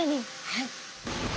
はい。